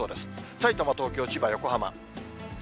さいたま、東京、千葉、横浜。